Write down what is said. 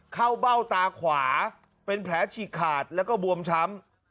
เบ้าตาขวาเป็นแผลฉีกขาดแล้วก็บวมช้ำ